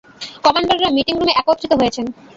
কমান্ডাররা meeting রুমে একত্রিত হয়েছেন।